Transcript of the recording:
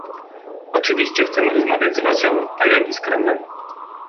Oczywiście chcemy rozmawiać z Rosją, tak jak i z Kremlem